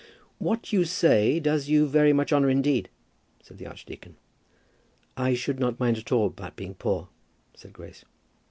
"What you say does you very much honour indeed," said the archdeacon. "I should not mind at all about being poor," said Grace.